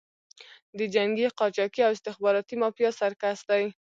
د جنګي قاچاقي او استخباراتي مافیا سرکس دی.